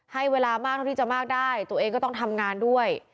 ให้เวลามากเท่าที่จะมากได้ตัวเองก็ต้องทำงานด้วย